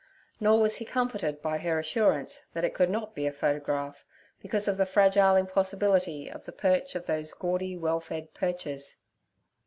Nor was he comforted by her assurance that it could not be a photograph, because of the fragile impossibility of the perch of those gaudy, well fed perchers.